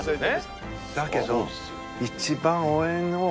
だけど。